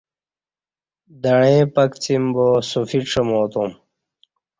دعیں پکڅیم باصوفی ڄماتم